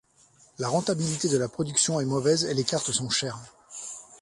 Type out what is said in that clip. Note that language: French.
La rentabilité de la production est mauvaise et les cartes sont chères.